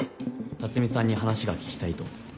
辰巳さんに話が聞きたいと。